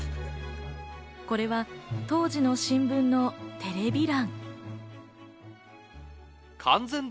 これは当時の新聞のテレビ欄。